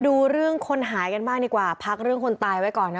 ดูเรื่องคนหายกันบ้างดีกว่าพักเรื่องคนตายไว้ก่อนนะ